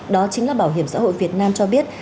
đó chính là bảo hiểm xã hội việt nam cho biết